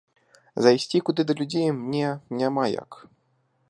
Зайсці куды да людзей мне няма як.